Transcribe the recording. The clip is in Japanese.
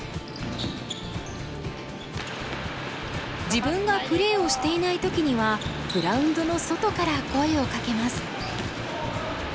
自分がプレーをしていない時にはグラウンドの外から声をかけます。